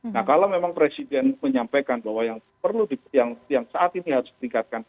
nah kalau memang presiden menyampaikan bahwa yang perlu yang saat ini harus ditingkatkan